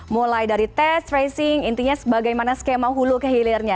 mulai dari test tracing intinya bagaimana skema hulu kehilirnya